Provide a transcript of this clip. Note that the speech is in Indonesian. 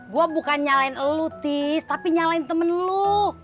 gue bukan nyalahin lo tis tapi nyalahin temen lo